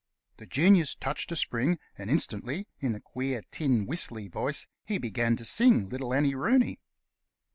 The Genius touched a spring, and instantly, in a queer, tin whistly voice, he began to sing, "Little Annie Rooney."